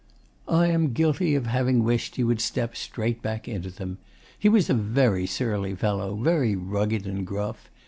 I am guilty of having wished he would step straight back into them. He was a very surly fellow, very rugged and gruff.